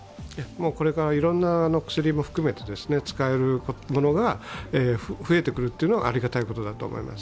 これからいろんな薬も含めて使えるものが増えてくるのはありがたいことだと思います。